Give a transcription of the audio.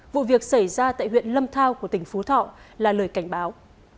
vụ việc xảy ra tại huyện lâm thao của tỉnh phú thọ là lời cảnh báo